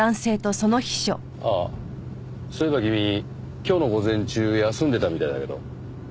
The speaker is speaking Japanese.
ああそういえば君今日の午前中休んでたみたいだけど。